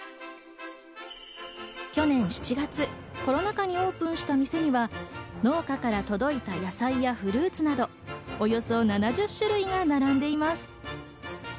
去年７月コロナ禍にオープンした店には農家から届いた野菜やフルーツなどおよそ７０種類が並んでいます。